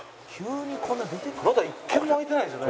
まだ一軒も空いてないですよね？